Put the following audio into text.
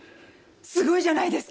すごいじゃないですか。